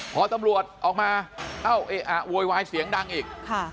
พอตำรวจออกมาเอ๊ะเอ๊ะหัวเซียงดังอีก